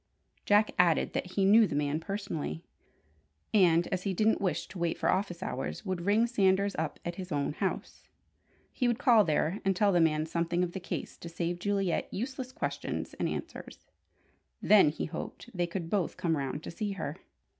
Jack added that he knew the man personally, and as he didn't wish to wait for office hours, would ring Sanders up at his own house. He would call there and tell the man something of the case to save Juliet useless questions and answers. Then, he hoped, they could both come round to see her.